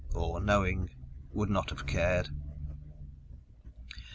_ Or knowing, would not have cared.